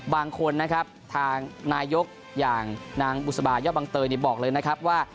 บางคนนะครับทางนายกอย่างนางบุษบายะบังเตยบอกเลยนะครับว่า